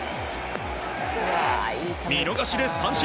見逃しで三振。